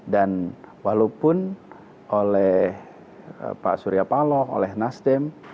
dan walaupun oleh pak surya paloh oleh nasdem